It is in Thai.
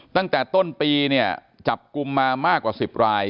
ตั้งแต่ต้นปีเนี่ยจับกลุ่มมามากกว่า๑๐ราย